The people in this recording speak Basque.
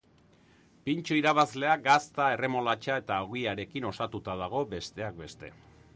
Pintxo irabazlea gazta, erremolatxa eta ogiarekin osatuta dago, besteak beste.